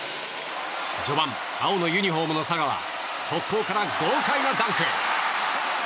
序盤、青のユニホームの佐賀は速攻から豪快なダンク！